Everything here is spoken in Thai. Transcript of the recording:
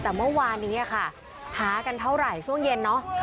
แต่เมื่อวานนี้ค่ะหากันเท่าไหร่ช่วงเย็นเนาะ